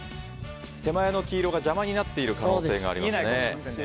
手前の黄色が邪魔になっている可能性がありますね。